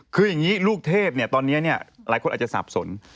คืออย่างนี้ลูกเทพเนี่ยตอนนี้หลายคนอาจจะสับสน